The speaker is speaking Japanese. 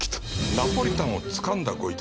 ナポリタンをつかんだご遺体！？